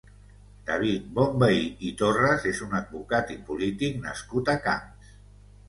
David Bonvehí i Torras és un advocat i polític nascut a Camps.